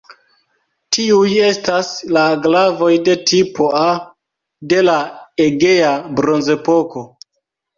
Tiuj estas la glavoj de "tipo A" de la Egea Bronzepoko.